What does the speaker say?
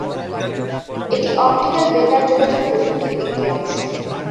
এটি অপটিক্যাল বেতার যোগাযোগ প্রযুক্তির একটি অংশ।